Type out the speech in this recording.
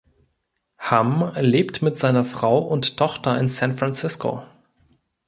Hamm lebt mit seiner Frau und Tochter in San Francisco.